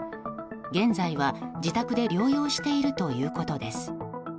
現在は自宅で療養しているということです。